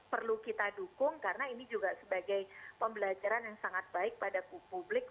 perlu kita dukung karena ini juga sebagai pembelajaran yang sangat baik pada publik